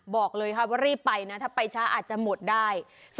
บอกเลยว่ารีบไปแต่บริคช้าจะหมดได้